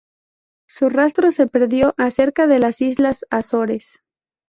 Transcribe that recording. Su rastro se perdió cerca de las islas Azores.